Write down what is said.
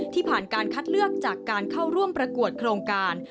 ผ่านการคัดเลือกจากการเข้าร่วมประกวดโครงการ